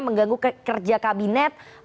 mengganggu kerja kabinet